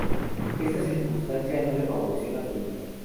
Esta circunstancia no le favoreció en absoluto.